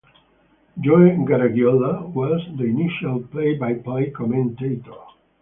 Joe Garagiola was the initial play-by-play commentator.